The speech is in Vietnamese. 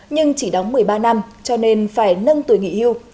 nhưng chỉ đóng một mươi ba năm cho nên phải nâng tuổi nghỉ hưu